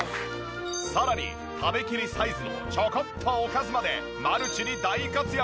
さらに食べきりサイズのちょこっとおかずまでマルチに大活躍！